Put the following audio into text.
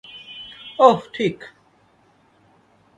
ওহ, ঠিক।